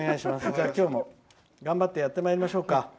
じゃあ今日も頑張ってやってまいりましょうか。